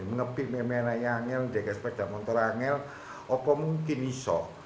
mengepi memenangnya dikasih sepeda motornya apa mungkin bisa